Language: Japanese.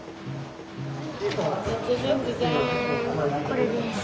これです。